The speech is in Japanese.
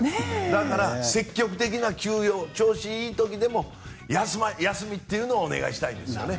だから、積極的な休養調子がいい時でも休みというのをお願いしたいですよね。